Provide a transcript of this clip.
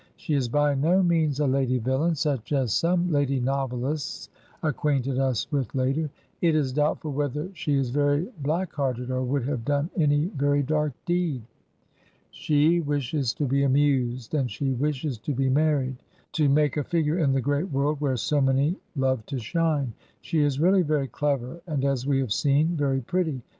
She is by no means a lady villain such as some lady novelists acquainted us with later; it is doubtful whether she is very black hearted, or would have done any very dark deed. She 201 ' Google — Digitized by VjOOQ HEROINES OF FICTION wishes to be amused, and she wishes to be married; to make a figure in the great world where so many love to shine. She is really very clever, and, as we have seen, very pretty.